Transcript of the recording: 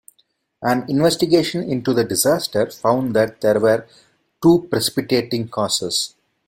An investigation into the disaster found that there were two precipitating causes.